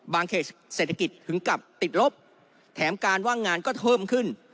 เขตเศรษฐกิจถึงกับติดลบแถมการว่างงานก็เพิ่มขึ้น